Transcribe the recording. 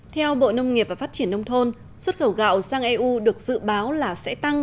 theo bộ nông nghiệp và phát triển nông thôn xuất khẩu gạo sang eu được dự báo là sẽ tăng